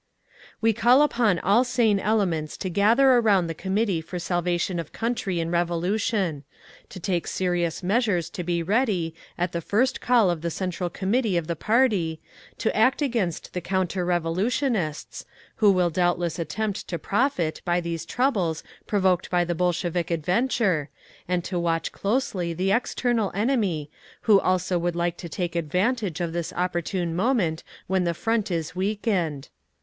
"We call upon all sane elements to gather around the Committee for Salvation of Country and Revolution; to take serious measures to be ready, at the first call of the Central Committee of the Party, to act against the counter revolutionists, who will doubtless attempt to profit by these troubles provoked by the Bolshevik adventure, and to watch closely the external enemy, who also would like to take advantage of this opportune moment when the Front is weakened…."